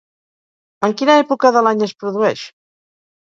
En quina època de l'any es produeix?